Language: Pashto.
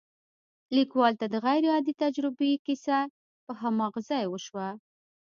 ليکوال ته د غير عادي تجربې کيسه په هماغه ځای وشوه.